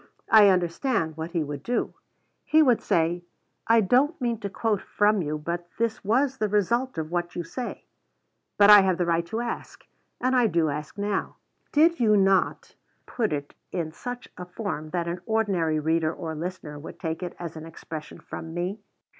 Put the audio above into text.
I understand what he would do. He would say, "I don't mean to quote from you, but this was the result of what you say." But I have the right to ask, and I do ask now, Did you not put it in such a form that an ordinary reader or listener would take it as an expression from me?